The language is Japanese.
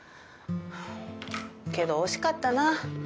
けど惜しかったな。